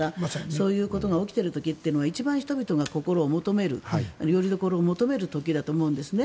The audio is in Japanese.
そういうことが起きている時は一番人々が心を求めるよりどころを求める時だと思うんですね。